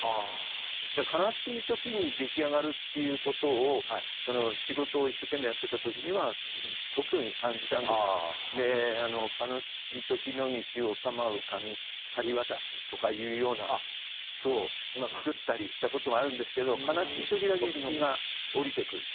だから悲しい時に出来上がるっていうことを仕事を一生懸命やってた時には特に感じたんです。とかいうような句を作ったりしたことがあるんですけど悲しい時だけ詩が降りてくると。